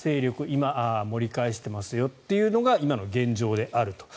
今、盛り返していますよというのが今の現状であると。